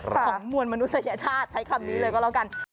ของมวลมนุษยชาติใช้คำนี้เลยก็แล้วกัน